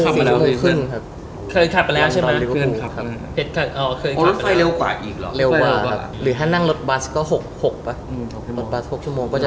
ถ้าอันนี้เราใส่เสื้อริวอูปุ่ตั้งแต่ลอนดอนมาดูริวหูอย่างเงี่ย